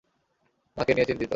মাকে নিয়ে চিন্তিত।